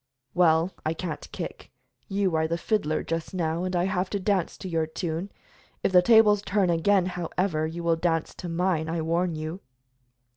"Well, I can't kick. You are the fiddler, just now, and I have got to dance to your tune. If the tables turn again, however, you will dance to mine, I warn you."